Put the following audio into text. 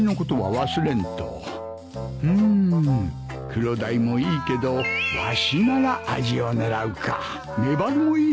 クロダイもいいけどわしならアジを狙うかメバルもいいな